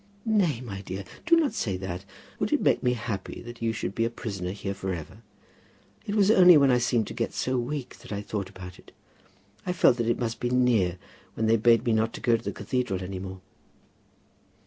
"Nay, my dear; do not say that. Would it make me happy that you should be a prisoner here for ever? It was only when I seemed to get so weak that I thought about it. I felt that it must be near when they bade me not to go to the cathedral any more."